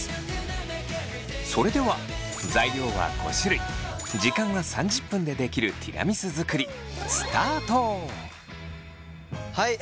それでは材料は５種類時間は３０分でできるティラミス作りはい。